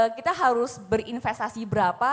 kita harus berinvestasi berapa